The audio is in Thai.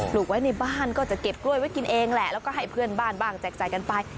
ลูกไว้ในบ้านก็จะเก็บกล้วยไว้กินเองแหละแล้วก็ให้เพื่อนบ้านบ้างแจกจ่ายกันไป